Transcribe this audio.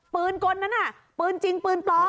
กลนั้นน่ะปืนจริงปืนปลอม